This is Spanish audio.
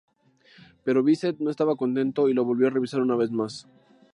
Pero Bizet no estaba contento y lo volvió a revisar una vez más.